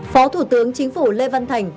phó thủ tướng chính phủ lê văn thành